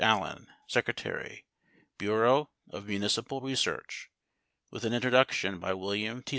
Allen, secretary, Bureau of Municipal Research, with an introduction by William T.